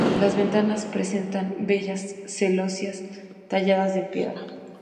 Las ventanas presentan bellas celosías talladas en piedra.